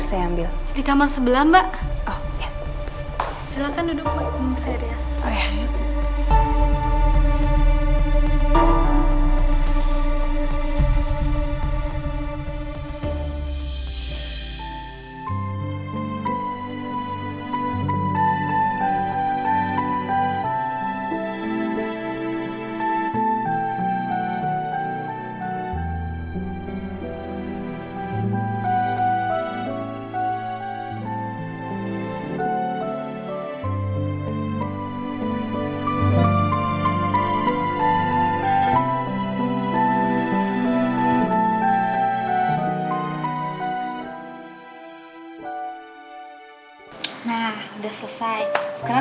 kau tidak boleh prata ama aku pada hari ini